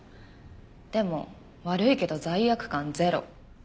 でも悪いけど罪悪感ゼロ。